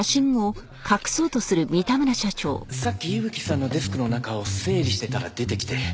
実はさっき伊吹さんのデスクの中を整理してたら出てきて。